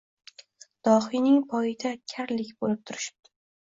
Dohiyning poyida karlik bo‘lib turishipti.